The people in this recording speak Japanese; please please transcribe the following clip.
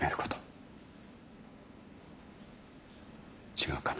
違うかな？